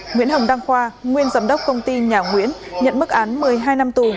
nguyễn hồng đăng khoa nguyên giám đốc công ty nhà nguyễn nhận mức án một mươi hai năm tù